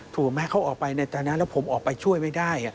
ถูกไหมเขาออกไปในตอนนั้นแล้วผมออกไปช่วยไม่ได้